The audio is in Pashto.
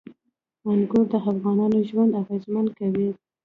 انګور د افغانانو ژوند اغېزمن کوي.